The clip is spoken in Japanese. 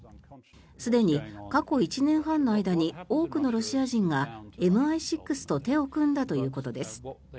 すでに過去１年半の間に多くのロシア人がＭＩ６と手を組んだということです。